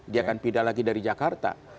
dia akan pindah lagi dari jakarta